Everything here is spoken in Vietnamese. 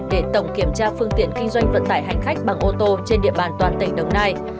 để tổng kiểm tra phương tiện kinh doanh vận tải hành khách bằng ô tô trên địa bàn toàn tỉnh đồng nai